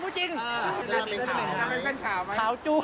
เป็นขาว